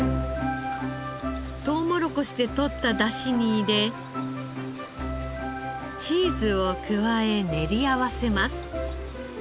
トウモロコシで取った出汁に入れチーズを加え練り合わせます。